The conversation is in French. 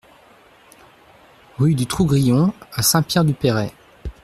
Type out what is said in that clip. Rue du Trou Grillon à Saint-Pierre-du-Perray